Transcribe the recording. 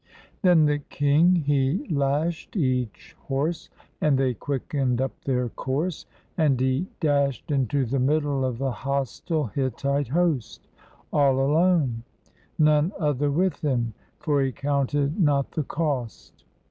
Then the king he lashed each horse, And they quickened up their course. And he dashed into the middle of the hostile, Hittite host. All alone, none other with him, for he counted not the cost.